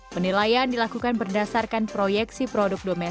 tapi juga denmark menggunakan harga uang yang paling tinggi di dunia